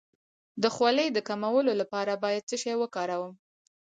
د خولې د کمولو لپاره باید څه شی وکاروم؟